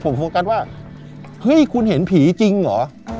ผมโฟกัสว่าเฮ้ยคุณเห็นผีจริงเหรอ